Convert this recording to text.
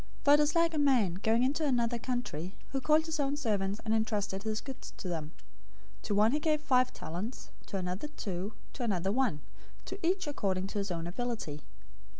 025:014 "For it is like a man, going into another country, who called his own servants, and entrusted his goods to them. 025:015 To one he gave five talents, to another two, to another one; to each according to his own ability.